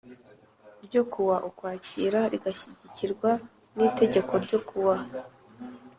ryo ku wa Ukwakira rigashyigikirwa n itegeko ryo ku wa